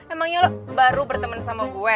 emangnya lo baru berteman sama gue